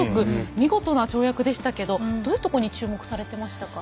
見事な跳躍でしたけどどういったところに注目されていましたか。